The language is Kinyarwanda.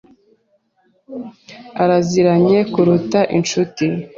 Araziranye kuruta inshuti.